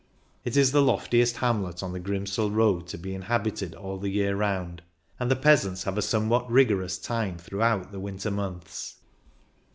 It is the loftiest hamlet on the Grimsel road to be THE GRIMSEL 143 inhabited all the year round, and the peasants have a somewhat rigorous time throughout the winter months.